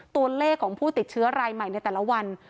ตัวเลขของผู้ติดเชื้อรายใหม่ในแต่ละวัน